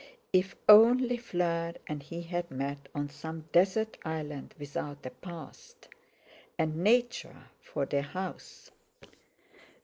If only Fleur and he had met on some desert island without a past—and Nature for their house!